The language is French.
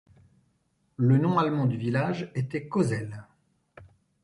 Le nom allemand du village était Cosel.